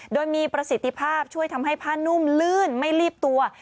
โดยมีประสิทธิภาพช่วยทำให้ผ้านุ่มลื่นไม่รีบตัว